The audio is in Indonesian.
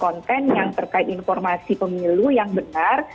maka kita harus membuat konten yang terkait informasi pemilu yang benar